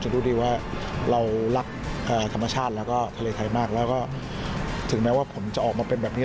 ทะเลไทยมากแล้วก็ถึงแม้ว่าผมจะออกมาเป็นแบบนี้